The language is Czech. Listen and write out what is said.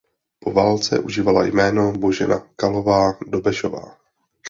Po válce užívala jména Božena Kalová–Dobešová.